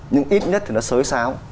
nhưng ít nhất thì nó sới sáo